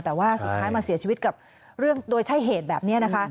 แต่ว่าสุดท้ายมาเสียชีวิตกับเรื่องโดยใช่เหตุแบบนี้นะคะ